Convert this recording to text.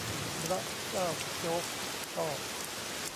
บร๊ะเจ้าโจ๊กชอบ